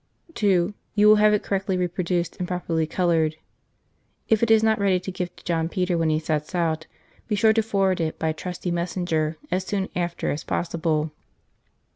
2 You will have it correctly reproduced and properly coloured. If it is not ready to give to John Peter when he sets out, be sure to forward it by a trusty messenger as soon after as possible.